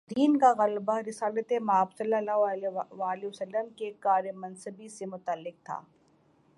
دین کا غلبہ رسالت مآبﷺ کے کار منصبی سے متعلق تھا۔